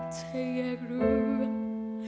เธออยากรู้